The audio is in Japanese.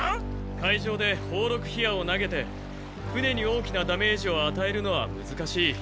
海上で宝禄火矢を投げて船に大きなダメージをあたえるのはむずかしい。